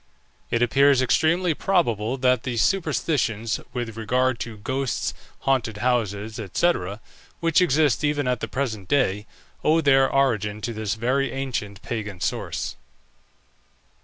It appears extremely probable that the superstitions with regard to ghosts, haunted houses, &c., which exist even at the present day, owe their origin to this very ancient pagan source.